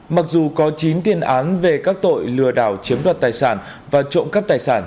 mặc dù có chín tiền án về các tội lừa đảo chiếm đoạt tài sản và trộm cắp tài sản